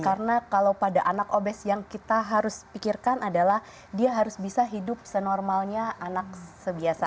karena kalau pada anak obes yang kita harus pikirkan adalah dia harus bisa hidup senormalnya anak sebiasa